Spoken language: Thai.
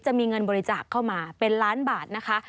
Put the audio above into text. จะมีเงินบริจาคเข้ามาเป็นล้านบาทนะคะ